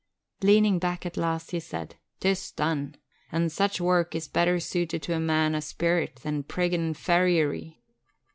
Leaning back at last, he said "'Tis done! An' such wark is better suited to a man o' speerit than priggin' farriery."